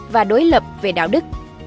và đối lập về đạo đức